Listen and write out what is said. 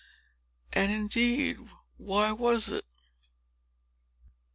And, indeed, why was it?